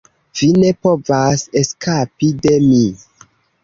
Vi ne povas eskapi de mi.